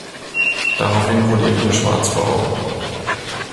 Daraufhin wurde ihr wieder schwarz vor Augen.